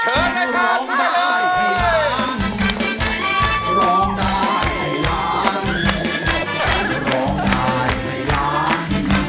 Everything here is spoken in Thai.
เชิงขึ้นมาร้องได้ให้รันครับพวกเราเลยครับ